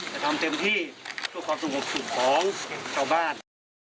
แต่ทำเต็มที่ช่วยความสงบสูงของข้าวบ้าน